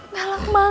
nah tutur protein